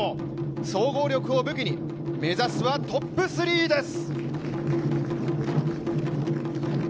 総合力を武器に、目指すはトップ３です。